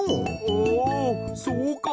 ああそうか。